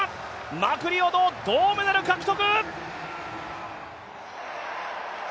マクリオド、銅メダル獲得！